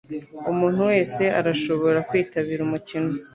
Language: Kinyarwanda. Umuntu wese arashobora kwitabira umukino